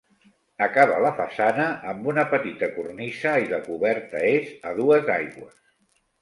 Acaba la façana amb una petita cornisa i la coberta és a dues aigües.